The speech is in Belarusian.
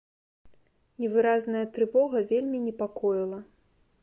Невыразная трывога вельмі непакоіла.